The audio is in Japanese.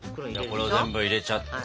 これを全部入れちゃって。